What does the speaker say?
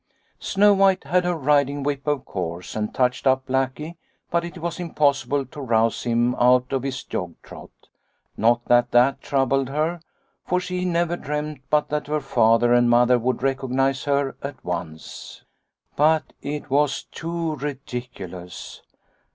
" Snow White had her riding whip, of course, and touched up Blackie, but it was impossible 62 Liliecrona's Home to rouse him out of his jog trot. Not that that troubled her, for she never dreamt but that her Father and Mother would recognise her at once. " But it was too ridiculous